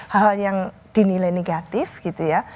hal hal yang dinilai negatif gitu ya